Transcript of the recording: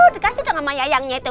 dikasih dong sama wayangnya itu